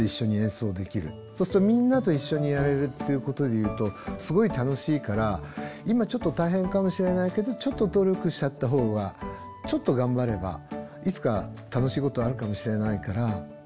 そうするとみんなと一緒にやれるっていうことでいうとすごい楽しいから今ちょっと大変かもしれないけどちょっと努力しちゃったほうがちょっと頑張ればいつか楽しいことあるかもしれないから。